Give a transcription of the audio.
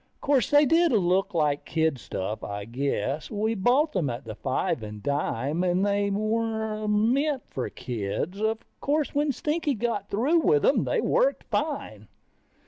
Course, they did look like kid stuff, I guess. We bought them at the five and dime, and they were meant for kids. Of course when Skinny got through with them, they worked fine.